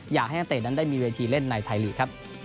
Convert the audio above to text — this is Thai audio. อยากให้นั้นตัดได้มีวัยทีเล่นในทายลีก